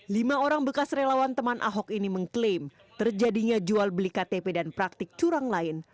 lima orang bekas relawan teman ahok ini mengklaim terjadinya jual beli ktp dan praktik curang lain